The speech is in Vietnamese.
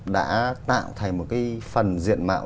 đã tạo thành một cái phần diện mạo